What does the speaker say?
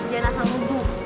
jangan asal nuduh